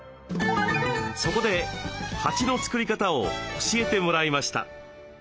そこで鉢の作り方を教えてもらいました。